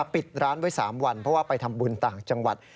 ปิดร้านไว้๓วันเพราะว่าไปทำบุญต่างจังหวัด